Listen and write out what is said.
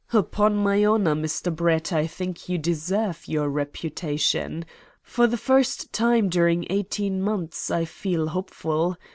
"'Pon my honour, Mr. Brett, I think you deserve your reputation. For the first time during eighteen months I feel hopeful.